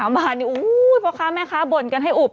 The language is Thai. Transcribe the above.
๓๓๓บาทนี่อุ๊ยเพราะค้าแม่ค้าบ่นกันให้อุบ